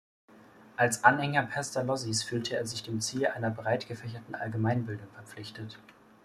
Als Anhänger Pestalozzis fühlte er sich dem Ziel einer breitgefächerten Allgemeinbildung verpflichtet.